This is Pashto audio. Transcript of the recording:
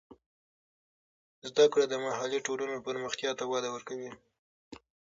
زده کړه د محلي ټولنو پرمختیا ته وده ورکوي.